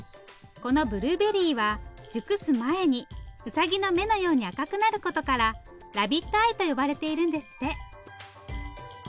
このブルーベリーは熟す前にウサギの目のように赤くなることからラビットアイと呼ばれているんですって。